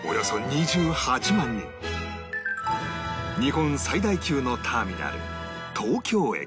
日本最大級のターミナル東京駅